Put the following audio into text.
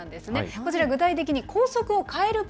こちら、具体的に校則を変えるプ